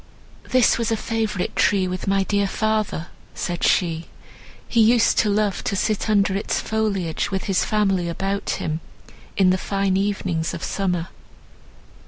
"This was a favourite tree with my dear father," said she; "he used to love to sit under its foliage with his family about him, in the fine evenings of summer."